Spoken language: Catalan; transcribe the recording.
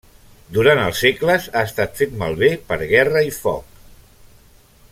Durant els segles, ha estat fet malbé per guerra i foc.